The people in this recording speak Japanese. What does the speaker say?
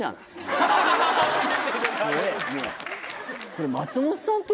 それ松本さんの。